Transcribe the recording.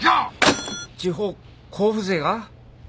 地方交付税が？